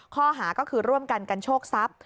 ข้อหาก็คือร่วมกันกันโชคทรัพย์